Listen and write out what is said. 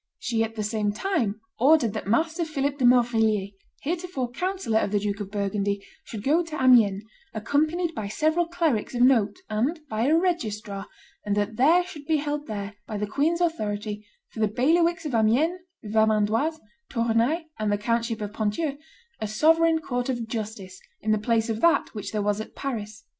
She at the same time ordered that Master Philip de Morvilliers, heretofore councillor of the Duke of Burgundy, should go to Amiens, accompanied by several clerics of note and by a registrar, and that there should be held there, by the queen's authority, for the bailiwicks of Amiens, Vermandois, Tournai, and the countship of Ponthieu, a sovereign court of justice, in the place of that which there was at Paris.